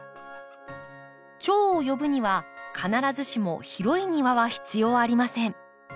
チョウを呼ぶには必ずしも広い庭は必要ありません。